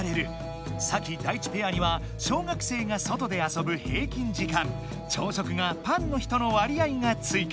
サキ・ダイチペアには「小学生が外で遊ぶ平均時間」「朝食がパンの人の割合」がついか。